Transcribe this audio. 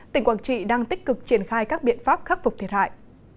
tỉnh quảng trị đang tích cực triển khai các biện pháp khắc phục thiệt hại